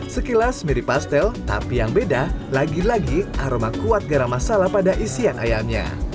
sekilas mirip pastel tapi yang beda lagi lagi aroma kuat garam masala pada isian ayamnya